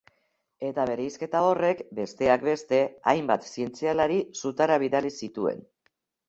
Eta bereizketa horrek, besteak beste, hainbat zientzialari sutara bidali zituen.